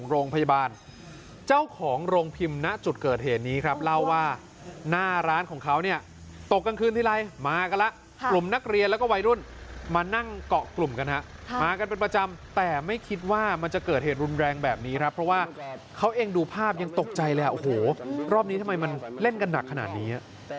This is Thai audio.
โรงพยาบาลเจ้าของโรงพิมพ์ณจุดเกิดเหตุนี้ครับเล่าว่าหน้าร้านของเขาเนี่ยตกกลางคืนทีไรมากันแล้วกลุ่มนักเรียนแล้วก็วัยรุ่นมานั่งเกาะกลุ่มกันฮะมากันเป็นประจำแต่ไม่คิดว่ามันจะเกิดเหตุรุนแรงแบบนี้ครับเพราะว่าเขาเองดูภาพยังตกใจเลยโอ้โหรอบนี้ทำไมมันเล่นกันหนักขนาดนี้